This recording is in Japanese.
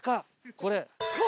これ！